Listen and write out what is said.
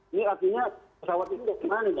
ini artinya pesawat ini gimana nih